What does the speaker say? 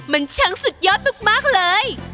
มันช่างสุดยอดมากเลย